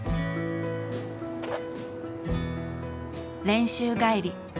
練習帰り